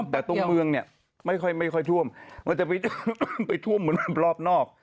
แต่ตรงเมืองเนี่ยไม่ค่อยท่วมมันจะไปท่วมเหมือนรอบนอก